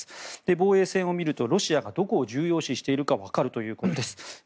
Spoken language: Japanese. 防衛線を見るとロシアがどこを重要視しているかわかるということです。